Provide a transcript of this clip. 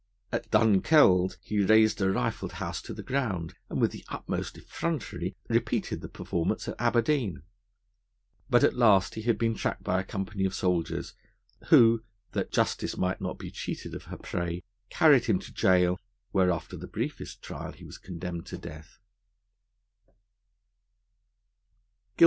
At Dunkeld he razed a rifled house to the ground, and with the utmost effrontery repeated the performance at Aberdeen. But at last he had been tracked by a company of soldiers, who, that justice might not be cheated of her prey, carried him to gaol, where after the briefest trial he was condemned to death.